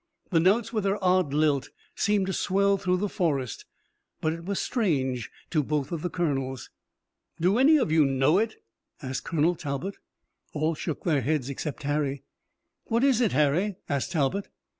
The notes with their odd lilt seemed to swell through the forest, but it was strange to both of the colonels. "Do any of you know it?" asked Colonel Talbot. All shook their heads except Harry. "What is it, Harry?" asked Talbot.